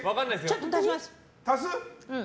ちょっと足します。